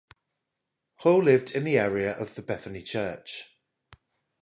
Hall lived in the area of the Bethany Church.